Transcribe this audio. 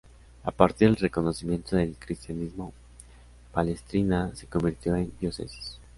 A partir del reconocimiento del Cristianismo, Palestrina se convirtió en diócesis.